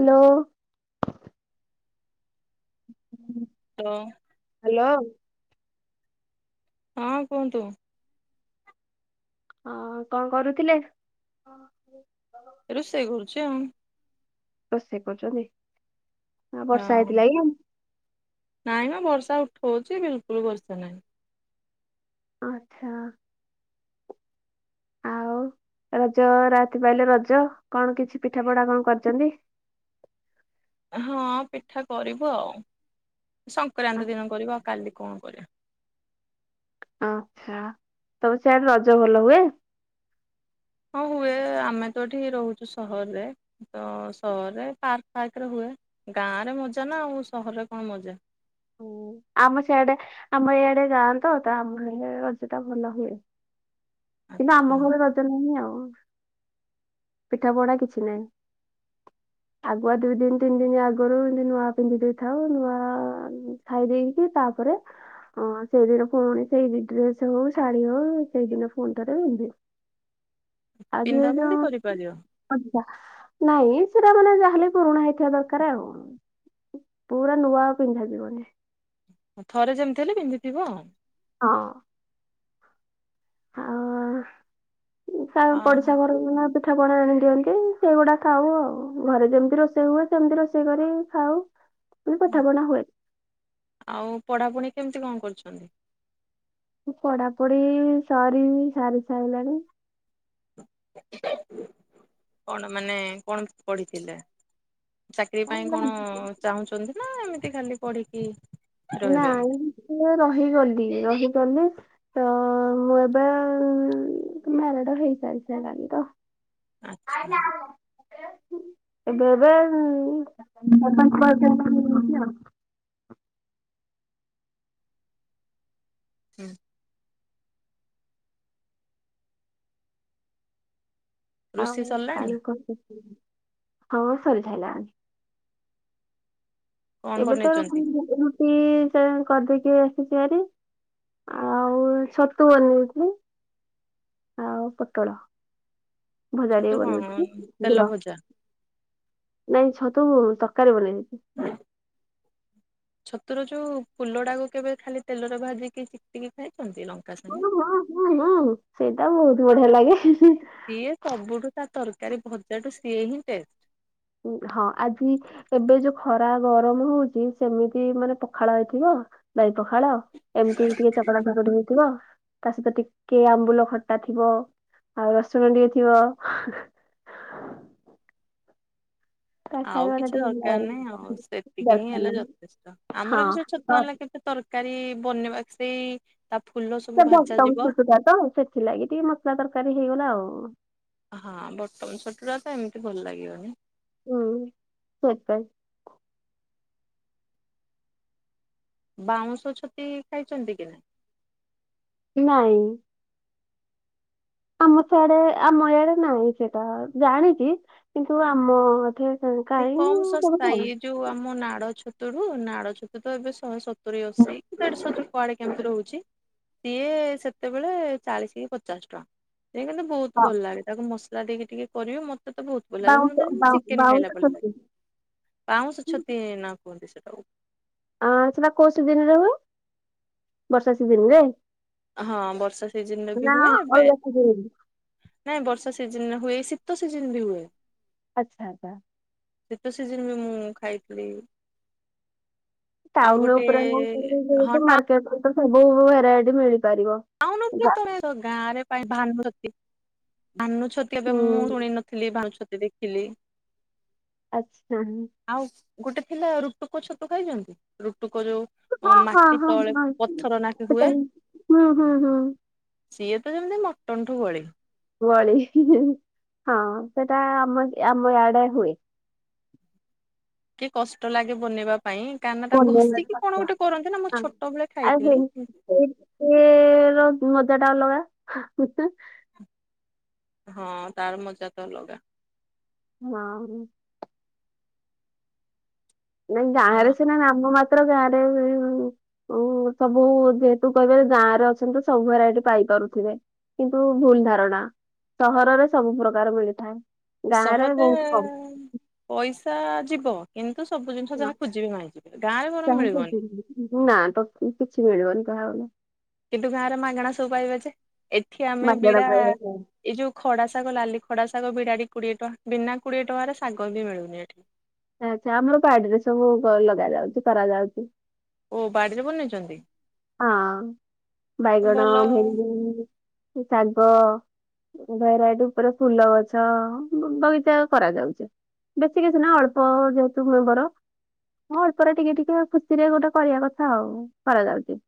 Hello. [unintelligible] Hello. ହଁ କୁହନ୍ତୁ। ହଁ କଁ କରୁଥିଲେ? [inaudible] ରୋଷେଇ କରୁଚି ଆଉ। ରଷେଇ କରୁଚନ୍ତି ଆ ବର୍ଷା ହଁ ହେଇଥିଲାକି? ନାଇଁ ମା ବର୍ଷା ଉଠଉଚି ବିଲକୁଲ୍ ବର୍ଷା ନାହିଁ। ଆଚ୍ଛା। ଆଉ ରଜ ରାତି ପାଇଲେ ରଜ କଣ କିଛି ପିଠା ପଣା କଣ କରିଚନ୍ତି? ହଁ ପିଠା କରିବୁ ଆଉ ସଂକ୍ରାନ୍ତି ଦିନ କରିବୁ ଆଉ କାଲି କଣ କରି ଆଚ୍ଛା ତମର ସିଆଡ଼େ ରଜ ଭଲ ହୁଏ? ଏ ଆମେ ତ ଏଠି ରହୁଛୁ ସହରରେ ତ-ଅ-ଅ ସହରରେ ପାର୍କ ଫାର୍କରେ ହୁଏ। ଗାଁ ରେ ମଜା ନା ଆଉ ସହରରେ କଣ ମଜା। ହୁଁ ଆମ ସେଆଡେ ଆମ ଏଇଆଡେ ଗାଁତ ତ ଆମ ଏ ରଜଟା ଭଲ ହୁଏ। କିନ୍ତୁ ଆଚ୍ଛା ଆମ ଘରେ ରଜ ନାହିଁ ଆଉ। ପିଠା ପଣା କିଛି ନାହିଁ। ଆଗୁଆ ଦୁଇ ଦିନ ତିନି ଦିନ ଆଗରୁ ଏମିତି ନୂଆ ପିନ୍ଧି ଦେଇଥାଉ ନୂଆ-ଆ-ଆ-ଆ ଖାଇ ଦେଇକି ତାପରେ ହଁ ସେଇଦିନ ପୁଣି ସେଇ ଇ ଡ୍ରେସ ହଉ ଶାଢୀ ହଉ-ଉ-ଉ ସେଇଦିନ ପୁଣିଥରେ ପିନ୍ଧେ ଆଜି ଏ ପିନ୍ଧା ପୁନ୍ଧି ଯୋଉ କରିପାରିବ ଆଚ୍ଛା ନାଇଁ ସେଟା ମାନେ ଯାହାଲେ ପୁରୁଣା ହେଇଥିବା ଦରକାର ଆଉ। ପୁରା ନୂଆ ପିନ୍ଧାଯିବନି। ଥରେ ଯେମିତି ହେଲେ ପିନ୍ଧିଥିବ। ହଁ। ଆ-ଆ-ଆ ଉ ସାଙ୍ଗ, ଆଉ ପଡିଶା ଘରକୁ ନା ପି ପିଠା ପଣା ଆଣି ଦିଅନ୍ତି ସେଇଗୁଡା ଖାଉ ଆଉ ଘରେ ଯେମିତି ରୋଷେଇ ହୁଏ ସେମତି ରୋଷେଇ କରି ଖାଉ। କିନ୍ତୁ ପିଠା ପଣା ହୁଏନି। ଆଉ ପଢାପଢି କେମିତି କଣ କରୁଛନ୍ତି? ପଢାପଢି-ଇ-ଇ ସରିି ସାରି ସାଇଲାଣି। କଣ ମାନେ-ଏ କଣ ପଢିଥିଲେ? ଚାକିରୀ ପାଇଁ କଣ-ଅ-ଅ-ଅ ଚାହୁଁଛନ୍ତି ନା ଏମିତି ଖାଲି ପଢିକି ରହିବେ ଏମିତି? ନାଇଁ ରହିଗଲି ରହିଗଲି ତ-ଅ-ଅ ମୁଁ ଏବେ-ଏ-ଏ-ଏ-ଏ ମ୍ୟାରେଡ ହେଇସାରିଲାଣି ତ। ଆଚ୍ଛା [unintelligible] ଏବେ ଏବେ ଉ [inaudible] ହୁଁ ରୁଷେଇ ସରିଲାଣି ହଁ ସରି ସାରିଲାଣି। କଣ ଏବେ ତ ବନେଇଛନ୍ତି? ରୁ-ଉ-ଉ-ଉ ରୁଟି-ଇ-ଇ କରିଦେଇକି ଆସିଛି ହାରି ଆଉ-ଉ-ଉ-ଉ ଛତୁ ବନେଇଛି ଆଉ ପୋଟଳ। ଭଜା ଛତୁ ଟିକେ କଣ ବନେଇଥିଲି ତେଲ [unintelligible] ଭଜା? ନାଇଁ ଛତୁ-ଉ-ଉ-ଉ ତରକାରୀ ବନେଇ ଦେଇଛି। ଛତୁର ଯୋଉ-ଉ-ଉ ଫୁଲ ଟାକୁ କେବେ ଖାଲି ତେଲରେ ଭାଜିକି ଚିିପିକି ଖାଇଛନ୍ତି ଲଙ୍କା ହଁ ସାଙ୍ଗେ? ହଁ ହଁ ହଁ ସେଇଟା ବହୁତ ବଢିଆ ଲାଗେ। ସିଏ ସବୁଠୁ ତା ତରକାରୀ ଭଜାଠୁ ସିଏ ହିଁ ଟେଷ୍ଟ। ହଁ ଆଜି ଏବେ ଯୋଉ ଖରା ଗରମ ହଉଛି ସେମିତି ମାନେ ପଖାଳ ହେଇଥିବ ଦହି ପଖାଳ ଏମିତି ଟିକେ ଚକଡା ଚକଡି ହେଇଥିବ ତା ସହିତ ଟିକେ ଆମ୍ବୁଲ ଖଟା ଥିବ ଆଉ ରସୁଣ ଟିକେ ଥିବ ତା ଆଉ ଖାଇବା ଟା କିଛି ଟିକେ ଦରକାର ଭଲ ଲାଗେ। ନାହିଁ ଆଉ ସେତିକି ହିଁ ଦରକାର ହେଲେ ନାହିଁ ଯଥେଷ୍ଟ। ଆମର ବି ହଁ ସେଇ ସବୁ ଛତୁ ତ ଆଣିଲେ କେବେ ତର କାରୀ-ଇ-ଇ ବନେଇବା ସେଇ ତା ଫୁଲ ସ ସେଟା ବଟମ ଛତୁ ଟା ତ ସେଥିଲାଗି ଟିକେ ମସଲା ତରକାରୀ ହେଇଗଲା ଆଉ। ହଁ ବଟମ ଛଟୁ ଟା ତ ଏମିତି ଭଲ ଲାଗିବନି। ହୁଁ ସତ। ବାଉଁଶ ଛତି ଖାଇଛନ୍ତି କି ନାଇଁ? ନାଇଁ। ଆମ ସିଆଡେ ଆମ ଇଆଡେ ନାହିଁ ସେଟା ଜାଣିଛି କିନ୍ତୁ ଆମ ଏଠି ଏ କାହିଁ କମ୍ କେବେ ସସ୍ଥା ଇ ଖାଇନି ଯୋଉ ଆମ ନାଡ ଛତୁୁ ନୁହେଁ ନାଡ ଛତୁ ତ ଏବେ ଶହେ ସତୁରି, ଅଶୀ, ଦେଢଶ ଠୁ କୁଆଡେ କେମିତି ରହୁଚି, ସିଏ ସେତେବେଳେ ଚାଳିଶ କି ପଚାଶ ଟଙ୍କା ସେଇଟାତ ବହୁତ ଭଲ ଲାଗେ, ତାକୁ ମସଲା ଦେଇକି ଟିକେ କରିବ ମତେ ତ ବହୁତଭଲ ଲାଗେ, ବାଉଁଶ ଯେମିତି ବାଉଁ ଚିକେନ୍ ଖାଇଲାପରି [unintelligible] ବାଉଁଶ ଛତୁ। ପାଉଁଶ ଛତି ହିଁ ନା କୁହନ୍ତି ସେଟାକୁ ଆଁ ସେଟା କୋଉ ସିଜିନି ରେ ହୁଏ? ବର୍ଷା ସିଜିନି ରେ ହଁ, ବର୍ଷା ସିଜିନିରେ ବି ନା ହୁଏ, ଏବେ ଅଲଗା ସିଜିନରେ। ନାଇଁ ବର୍ଷା ସିଜିନିରେ ହୁଏ, ଶୀତ ସିଜିନି ବି ହୁଏ। ଆଚ୍ଛା ଆଚ୍ଛା ଶୀତ ସିଜିନି ମୁଁ ଖାଇଥିଲି। ଆଉ ଟାଉନ ଗୋଟେ ଉପରେ ରହୁଛୁ ହଁ ଯେହେତୁ ମାର୍କେଟ ସବୁ ଭେରାଇଟି ମିଳିପାରିବ। ଟାଉନ୍ ଉପରେ ତୋ ଗାଁ ରେ ପାଇଁ ଭାନୁଛତି ଭାନୁଛନ୍ତି ଏବେ ମୁଁ ହୁଁ ଶୁଣି ନଥି [unintelligible] ଥିଲି, ଭାଲୁଛତି ଦେଖିଥିଲି। ଆଛା, ହୁଁ। ଆଉ ଗୋଟେ ଥିଲା ରୁଟୁକୋ ଛତୁ ଖାଇଛନ୍ତି? ରୁଟୁକୋ ଯୋଉ ହଁ ଓ ହଁ ମାଟି ହଁ ତଳେ ହଁ। ପଥର ନାକି ହୁଏ। ହୁଁ, ହୁଁ, ହୁଁ। ସିଏ ତ ଯେମିତି ମଟନଠୁ ବଳି। ବଳି ହିଁ ହି, ହଁ ସେଟା ଆମ ଆମ ୟାଡେ ହୁଏ। କି କଷ୍ଟ ଲାଗେ ବନେଇବାକୁ? ପାଇଁ, କାନଟା ଆଉ ସେ ର ଘଷିକି କଣ ଗୋଟେ କରନ୍ତି ନା ମୁଁ ଛୋଟ ବେଳେ ଖାଇଥିଲି। ଇଏ ର ମଜାଟା ଅଲଗା [unintelligible] ହଁ, ତାର ମଜାତ ଅଲଗା ନା, ହୁଁ। ନାଇଁ ଆ ଗାଁରେ ସିନା ନାମ ମାତ୍ର, ଗାଁ ରେ ଇ ଇ ଉ। ଓଉ ସବୁ ଯେହେତୁ କହିବେ ଗାଁରେ ଅଛନ୍ତି ତ ସବୁ ଭେରାଇଟି ପାଇପାରୁଥିବେ। କିନ୍ତୁ ଭୁଲ୍ ଧାରଣା, ସହରରେ ସବୁ ପ୍ରକାର ମିଳିଥାଏ। ଗାଁ ରେ ସହଲେ ବହୁତ ଉଁ କମ୍ [unintelligible] ପଇସା ଯିବ, କିନ୍ତୁ ସବୁ ଜିନିଷ ହଁ, ଯାହା ଖୋଜିବେ ପାଇଯିବେ, ଗାଁ ରେ ବରଂ ଚାହା ମିଳିବନି। ସରିଯିବ। ନା ତ କିଛି ମିଳିବନି କହିବାକୁ ଗଲେ। କିନ୍ତୁ ଗାଁରେ ମାଗଣା ସବୁ ପାଇବା ଯେ, ଏଠି ଆମେ ମାଗଣା ବିଡା ପାଇବ। ଏଇ ଯୋଉ ଖଡା ଶାଗ ନାଲି ଖଡା ଶାଗ ବିଡାବି କୋଡିଏ ଟଙ୍କା, ବିନା କୋଡିଏ ଟଙ୍କାରେ ଶାଗ ବି ମିଳୁନି ଏଠି। ଆଛା ଆମର ବାଡିରେ ସବୁ ଲଗା ଯାଉଛି କରାଯାଉଛି। ଓ ବାଡ଼ିରେ ବନେଇଛନ୍ତି? ହଁ, ବାଇଗଣ, ଭଲ ଭେଣ୍ଡି, ଶାଗ। ଭେରାଇଟି ଉପରେ ଫୁଲ ଗଛ ବ-ବଗିଚା କରାଯାଉଛି। ବେଶୀ କିଛି ନାହିଁ, ଅଳ୍ପ ଯେହେତୁ ମେମ୍ବର। ହଁ, ଅଳ୍ପରେ ଟିକେ ଟିକେ ଖୁସିରେ ଗୋଟେ କରିବା କଥା ଆଉ କରାଯାଉଛି‌।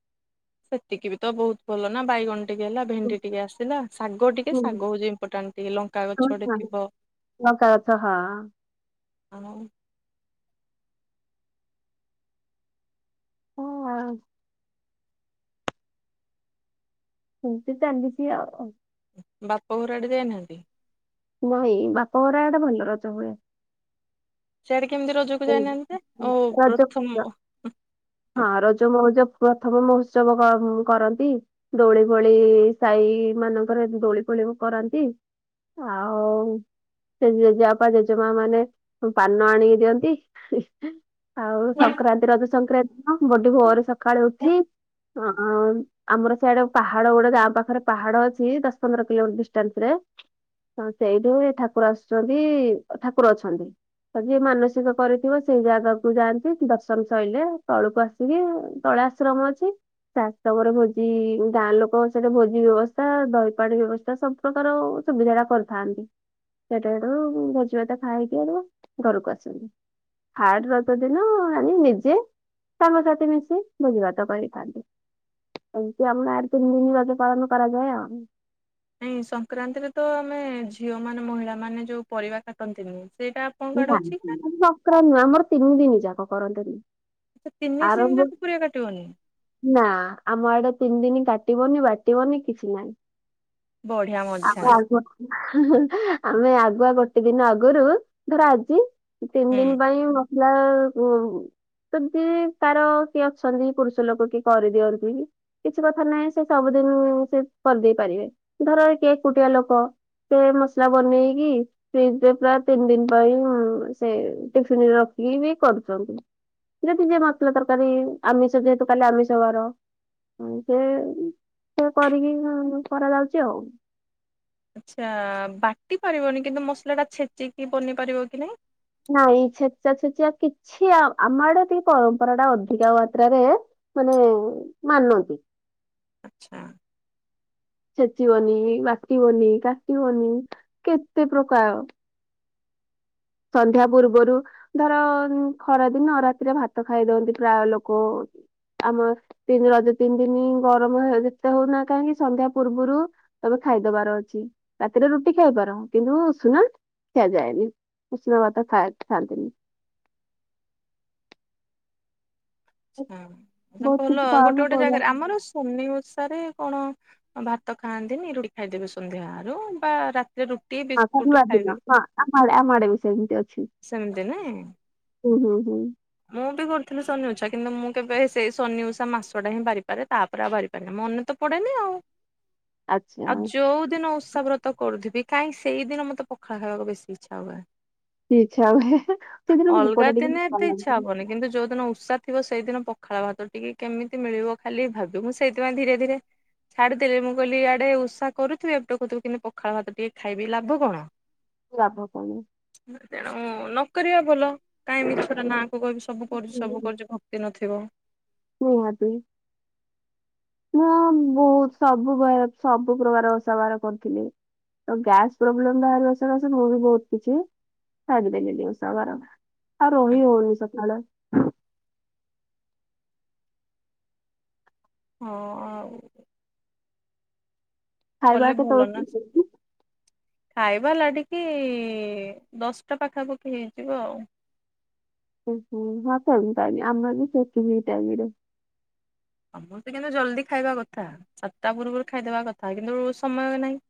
ସେତିକି ବି ତ ବହୁତ ଭଲ ନା ବାଇଗଣ ଟିକେ ହେଲା ଭେଣ୍ଡି ଲଙ୍କା ଟିକେ ଆସିଲା, ଶାଗ ଟିକେ ଶାଗ ହଉଛି ଇମ୍ପୋଟାଣ୍ଟ ଟିକେ ଲଙ୍କା ଗଛଟେ ଥିବ। ଲଙ୍କା ଗଛ ହଁ। ଆଉ ଓଃ ଆଉ ହେମିତି ଚାଲିଚି ଆଉ। ବାପ ଘରଆଡେ ଯାଇନାହାନ୍ତି? ପୁଅ ହେଇ, ବାପ ଘରଆଡେ ଭଲ ରଜ ହୁଏ। ସେଆଡେ କେମିତି ରଜକୁ ଯାଇନାହାନ୍ତି ଯେ? ଆଉ ରଜ ପ୍ରଥମ୍ ହଁ ରଜମଉଜ ପ୍ରଥମ ମହୋତ୍ସବ କ କରନ୍ତି। ଦୋଳି ଫୋଳି ସାଇମାନଙ୍କରେ ଦୋଳି ଫୋଳି ସବୁ କରାନ୍ତି। ଆଉ ସେ ଜେଜେବାପା ଜେଜେମା ମାନେ ପାନ ଆଣିକି ଦିଅନ୍ତି। ହିଇ ଆଉ ସଂକ୍ରାନ୍ତି ରଜ ସଂକ୍ରାନ୍ତି ଦିନ ବଡି ଭୋର ସକାଳେ ଉଠି ଅଁ ଆମର ସେଆଡେ଼ ପାହାଡ ଗୋଟେ ଗାଁ ପାଖରେ ପାହାଡ ଅଛି ଦଶ ପନ୍ଦର କିଲୋମିଟର ଡିଷ୍ଟାନ୍ସ ରେ ହ ସେଇଠୁ ଠାକୁର ଆସୁଛନ୍ତି ଠାକୁର ଅଛନ୍ତି। ଆଉ ଯିଏ ମାନସିକ କରିଥିବ ସେଇ ଜାଗାକୁ ଯାଆନ୍ତି ଦର୍ଶନ ସରିଲେ ତଳକୁ ଆସିକି ତଳେ ଆଶ୍ରମ ଅଛି। ରାସଘରେ ଭୋଜି ଗାଁ ଲୋକଙ୍କ ସହିତ ଭୋଜି ବ୍ୟବସ୍ଥା ଦହିପାଣି ବ୍ୟବସ୍ଥା ସବୁ ପ୍ରକାର ସୁବିଧା ଟା କରିଥାନ୍ତି। ସେଟା ଆଡୁ ଭୋଜି ଭାତ ଖାଇ କି ଘରକୁ ଆସନ୍ତି। ଥାର୍ଡ଼ ରଯ ଦିନ ଆମେ ନିଜେ ସାଙ୍ଗସାଥି ମିଶି ଭୋଜି ଭାତ କରିଥାନ୍ତି। ଏମ୍ତୀ ଆମର ଆଡେ ତିନିଦିନ ରଜ ପାଳନ କରାଯାଏ ଆଉ। ନାଇଁ ସଂକ୍ରାନ୍ତିରେ ତ ଆମେ ଝିଅ ମାନେ ମହିଳା ମାନେ ଯୋଉ ପରିବା କାଟନ୍ତିନି ସେଇଟା ଆପଣଙ୍କ ନା ଆଡେ ଅଛି କି ସକ୍ରାନ୍ତି ନୁହଁ ଆମର ତିନି ଦିନି ଯାକ କରନ୍ତିନି। ଆଛା ତିନିଦିନି ଆରମ୍ଭ ଯାକ ପରିବା କାଟିବନି। ନା ଆମ ଆଡେ ତିନି ଦିନ କାଟିବନି ବାଟିବନି କିଛି ନାହିଁ। ବଢିଆ ଆ ମଜା ଆଗୁଆ ହାଁ ହାଁ ଆମେ ଆଗୁଆ ଗୋଟେ ଦିନ ଆଗରୁ ଧର ଆଜି ତିନି ଦିନ ହୁଁ। ପାଇଁ ମସଲା ସେମିତି ତାର କିଏ ଅଛନ୍ତି ପୁରୁଷ ଲୋକ କିଏ କରିଦିଅନ୍ତି। କିଛି କଥା ନାହିଁ ସେ ସବୁଦିନ ସେ କରିଦେଇ ପାରିବେ ଧର କିଏ ଏକୁଟିଆ ଲୋକ ସେ ମସଲା ବନେଇକି ଫ୍ରିଜରେ ପୁରା ତିନି ଦିନ ପାଇଁ ସେ ଟିଫିନରେ ରଖିକି ବି କରୁଛନ୍ତି। ଯଦି ଯେ ମସଲା ତରକାରୀ ଆମିଷ ଯେହେତୁ କାଲି ଆମିଷ ବାର। ହଁ ସେ ସେ କରିକି କରାଯାଉଛି ଆଉ। ଆଚ୍ଛା ବାଟି ପାରିବନି କିନ୍ତୁ ମସଲା ଟା ଛେଚିକି ବନି ପାରିବ କି ନାହିଁ। ନାଇଁ ଛେଚା ଛେଚି ଆ କିଛି ଆ ଆମର ଟିକେ ପରମ୍ପରା ଟା ଅଧିକ ମାତ୍ରାରେ ମାନେ ମାନନ୍ତି। ଆଚ୍ଛା। [inaudible] ଛେଚିବନି ବାଟିବନି କାଟିବନି କେତେ ପ୍ରକାର। ସନ୍ଧ୍ୟା ପୂର୍ବରୁ ଧର ଖରାଦିନ ରାତିରେ ଭାତ ଖାଇ ଦିଅନ୍ତି ପ୍ରାୟ ଲୋକ ଆମ ରଜ ତିନି ଦିନି ଗରମ ଯେତେ ହଉନା କାହିଁକି ସନ୍ଧ୍ୟା ପୂର୍ବରୁ ତମେ ଖାଇଦବାର ଅଛି ରାତିରେ ରୁଟି ଖାଇବାର କିନ୍ତୁ ଉସୁୁନା ଖିଆଯାଏନି। ଉଷୁନାଭାତ ଖାନ୍ତିିନି। ଆଛା ବହୁତ କିଛି ଭଲ ଗୋଟେ ପାଳନ ଗୋଟେ ଜାଗାରେ କରିବା ଆମର ସୋନି ଓଷାରେ କଣ ଭାତ ଖାଆନ୍ତିନି ରୁଟି ଖାଇଦେବେ ସନ୍ଧ୍ୟା ଆରୁ ବା ରାତିରେ ରୁ ହଁ ଶନିବାର ଦିନ ହଁ ଆମ ଆଡେ ଆମ ଆଡେ ବି ସେମିତି ଅଛି। ସେମିତି ନାଇଁ। ହୁଁ ହୁଁ ହୁଁ ମୁଁ ବି କରୁଥିଲି ସନି ଓଷା କିନ୍ତୁ ମୁଁ କେବେ ସେଇ ସନି ଉଷା ମାସଟା ହିଁ ବାହାରିପାରେ ତାପରେ ଆଉ ବାରିି କାହିଁନା ମନେ ତ ପଡେନି ଆଉ। ହଁ ଆଉ ଯୋଉଦିନ ଓସା ବ୍ରତ ତ କରୁଥିବି କାହିଁ ସେଇଦିନ ମତେ ପଖାଳ ଖାଇବାକୁ ବେଶୀ ଇଚ୍ଛା ହୁଏ। ଇଛା ହୁଏ। ସେଦିନ ଅଲଗା ଭୋକଟା ଟିକେ ଦିନେ ଭଲ ଏତେ ଇଚ୍ଛା ଲାଗୁନି। ହବନି। କିନ୍ତୁ ଯୋଉ ଦିନ ଓଷା ଥିବ ସେଇଦିନ ପଖାଳ ଭାତ ଟିକେ କେମିତି ମିଳିବ ଖାଲି ଭାବି ମୁୁ ସେଇଥିପାଇଁ ଧୀରେ ଧୀରେ ଛାଡ଼ିଦେଲି। ମୁଁ କହିଲି ଏଆଡେ ଉଷା କରୁଥିବି ଏପଟେ କହୁଥିବି କେନ୍ତି ପଖାଳ ଭାତ ଟିକେ ଖାଇବି ଲାଭ କଣ। ଲାଭ କଣ। ତେଣୁ ନକରିବା ଭଲ। କାଇଁ ମିଛରେ ନାଁକୁ କହିବି ସବୁ କରୁଛି ସବୁ କରୁଛି ନଥିବ। ହୁଁ ନିହାତି। ହ ବହୁତ ସବୁ ବେଳେ ସବୁ ପ୍ରକାର ଓଷା ବାର କରିଥିଲି। ତ ଗ୍ୟାସ୍ ପ୍ରୋବ୍ଲେମ ବାହାରିବା ସକାଶେ ମୁଁ ବି ବହୁତ କିଛି ଛାଡିଦେଲିନି ଓଷା ବାର। ଆଉ ରହି ହଁ ହଉନି ସକାଳ ହଁ ଆଉ ଖାଇବା କଲେ ଭଲ ନା। କେତେବେଳେ ଖାଇବା ଲାଡିକି ଦଶଟା ପାଖାପାଖି ହେଇଯିବ ଆଉ। ଓ ହୋ ହଁ ସେମ ଟାଇମ୍ ଆମର ବି ସେତିକି ଟାଇମରେ। ସମସ୍ତେ କିନ୍ତୁ ଜଲ୍ଦି ଖାଇବା କଥା ଚାରିଟା ପୂର୍ବରୁ ଖାଇଦବା କଥା କିନ୍ତୁ ସମୟ ନାହିଁ।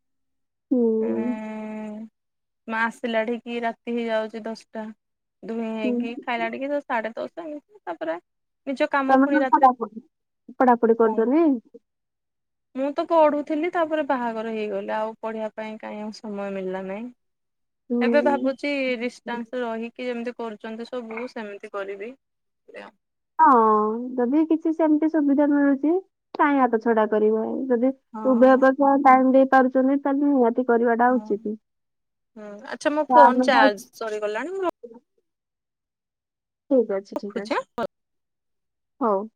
ହୁଁ। ଉଁ ମା ଆସିଲାଠିକି ରାତି ହେଇଯାଉଛି ଦଶଟା। ଧୁଇଁ ହୁଁ ହେଇକି ଖାଇଲାଠିକି ତ ସାଢେଦଶ ତାପରେ ନିଜ କାମ ତମେ କଣ ପୁଣି ରାତିରେ ପଢାପଢି ପଢାପଢି କଣ କରୁଚନି? ମୁଁ ତ ପଢୁଥିଲି ତାପରେ ବାହାଘର ହେଇଗଲା ଆଉ ପଢିବା ପାଇଁ କାଇଁ ଆଉ ସମୟ ମିଳିଲା ନାହିଁ। ଏବେ ହୁଁ। ଭାବୁଛି ଡିଷ୍ଟାନ୍ସ ରହିକି ଯେମିତି କରୁ ଛନ୍ତି ସବୁ ସେମିତି କରିବି। ହଁ ଯଦି କିଛି ସେମିତି ସୁବିଧା ମିଳୁଛି କାହିଁ ହାତ ଛଡା କରିବ। ଯଦି ଉଭୟ ହଁ ପାଖରେ ଟାଇମ ଦେଇ ପାରୁଛନ୍ତି ତାହାଲେ ନିହାତି କରିବାଟା ଉଚିତ। ହଁ ହଁ ଆଚ୍ଛା ମୋ ତ ଫୋନ୍ ଆମେ ତ ଚାର୍ଜ ସରିଗଲାଣି ମୁଁ ର ଠିକ ଅଛି ଠିକ ରଖୁଛି ଅଛି ଆଁ। ହଉ।